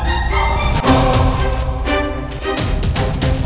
the ungkuk yang lebih menarik